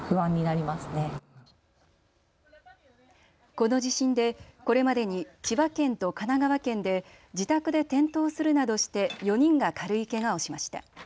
この地震でこれまでに千葉県と神奈川県で自宅で転倒するなどして４人が軽いけがをしました。